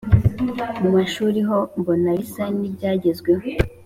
Mu mashuri ho mbona bisa n’ibyagezweho